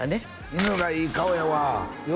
犬がいい顔やわよ